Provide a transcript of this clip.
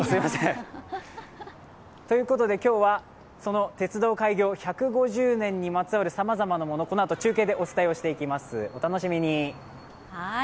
ということで、今日はその鉄道開業１５０年にまつわるさまざまなもの、このあと中継でお伝えしていきます。